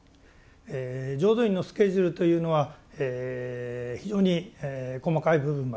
浄土院のスケジュールというのは非常に細かい部分まで決められております。